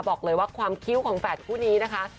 บอกเลยว่าความคิ้วของแฝดคู่นี้นะคะ